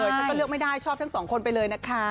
ฉันก็เลือกไม่ได้ชอบทั้งสองคนไปเลยนะคะ